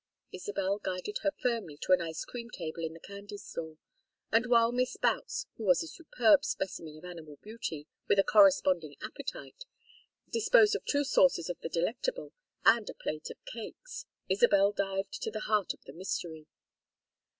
Isabel guided her firmly to an ice cream table in the candy store, and while Miss Boutts, who was a superb specimen of animal beauty with a corresponding appetite, disposed of two saucers of the delectable and a plate of cakes, Isabel dived to the heart of the mystery.